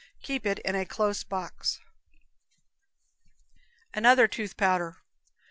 Keep it in a close box. Another Tooth Powder.